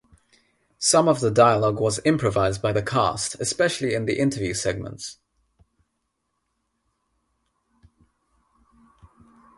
Some of the dialogue was improvised by the cast, especially in the interview segments.